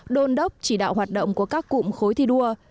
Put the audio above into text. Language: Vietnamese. đôn đốc chỉ đạo hoạt động của các cụm khối thi đua